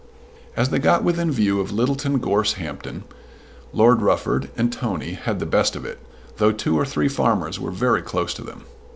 As they got within view of Littleton Gorse Hampton, Lord Rufford, and Tony had the best of it, though two or three farmers were very close to them.